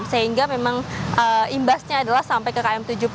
sehingga memang imbasnya adalah sampai ke km tujuh puluh